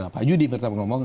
pak yudi pertama ngomong